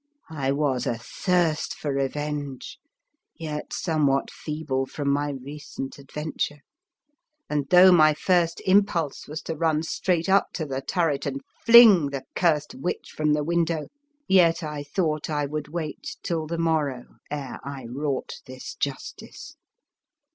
I was athirst for revenge, yet somewhat feeble from my recent adventure, and, though my first impulse was to run straight up to the turret and fling the curst witch from the window, yet I thought I would wait till the morrow ere I wrought this justice.